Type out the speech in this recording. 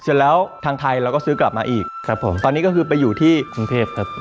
เสร็จแล้วทางไทยเราก็ซื้อกลับมาอีกครับผมตอนนี้ก็คือไปอยู่ที่กรุงเทพครับ